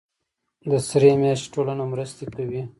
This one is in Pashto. د سرې میاشتې ټولنه مرستې کوي